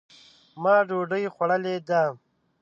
ما ډوډۍ خوړلې ده.